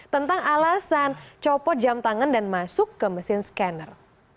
tentang alasan copot jam tangan dan masuk ke mesin scanner